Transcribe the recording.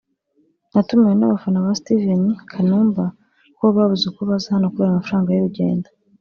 “Natumiwe n’abafana ba Steven(Kanumba) kuko bo babuze uko baza hano kubera amafaranga y’urugendo